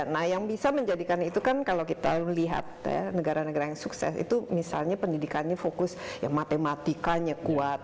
nah yang bisa menjadikan itu kan kalau kita melihat negara negara yang sukses itu misalnya pendidikannya fokus yang matematikanya kuat